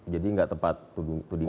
jadi nggak tepat tudingan